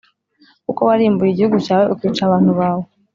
Kuko warimbuye igihugu cyawe ukica abantu bawe,